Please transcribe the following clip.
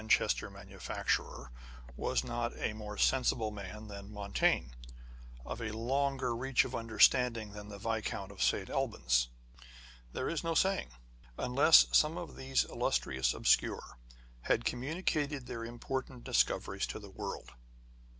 35 Chester manufacturer, was not a more sensible man than Montaigne, of a longer reach of understanding than the Viscount of St. Albans. There is no saying, unless some of these illustrious obscure had communicated their im portant discoveries to the world.